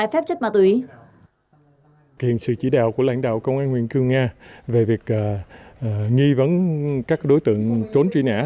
hiện sự chỉ đạo của lãnh đạo công an huyện cư nga về việc nghi vấn các đối tượng trốn truy nã